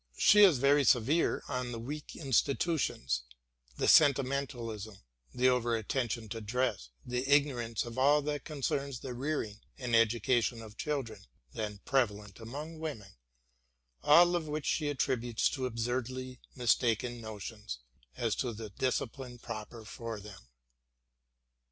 She is very severe on the weak superstitions, the senti mentalism, the over attention to dress, the ignorance of all that concerns the rearing and educating of ' children, then prevalent among women — ^all of which she attributes to absurdly mistaken notions as to the discipline proper for them.